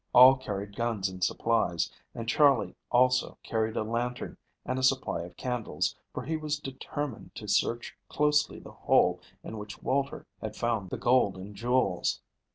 All carried guns and supplies, and Charley also carried a lantern and a supply of candles, for he was determined to search closely the hole in which Walter had found the gold and jewels.